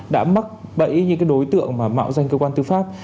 đã mắc bẫy những đối tượng mà mạo danh cơ quan thư pháp